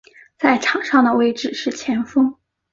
在场上的位置是前锋。